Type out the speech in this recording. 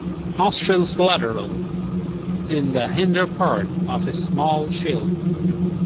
Nostrils lateral, in the hinder part of a small shield.